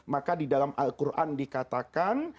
maka di dalam al quran dikatakan